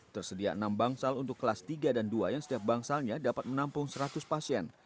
tersedia enam bangsal untuk kelas tiga dan dua yang setiap bangsalnya dapat menampung seratus pasien